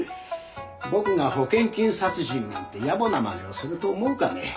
僕が保険金殺人なんて野暮な真似をすると思うかね？